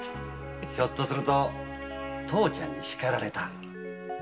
ひょっとすると父ちゃんに叱られた。